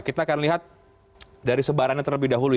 kita akan lihat dari sebarannya terlebih dahulu